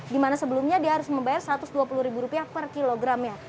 di mana sebelumnya dia harus membayar rp satu ratus dua puluh ribu rupiah per kilogramnya